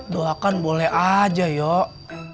doakan boleh aja yuk